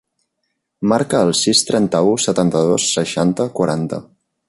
Marca el sis, trenta-u, setanta-dos, seixanta, quaranta.